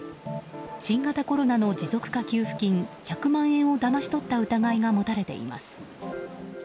新型コロナの持続化給付金１００万円をだまし取った疑いが持たれています。